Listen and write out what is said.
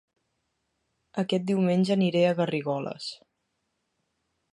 Aquest diumenge aniré a Garrigoles